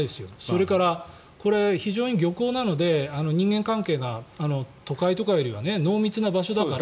それから、これは非常に漁港なので人間関係が都会よりは濃密な場所だから。